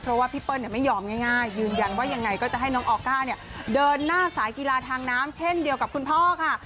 เพราะว่าพี่เปิ้ลไม่ยอมง่ายยืนยันว่ายังไงก็จะให้น้องออก้าเนี่ยเดินหน้าสายกีฬาทางน้ำเช่นเดียวกับคุณพ่อค่ะ